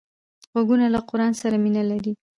غوږونه له قرآن سره مینه لري